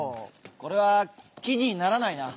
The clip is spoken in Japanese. これはきじにならないな。